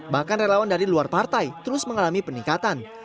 bahkan relawan dari luar partai terus mengalami peningkatan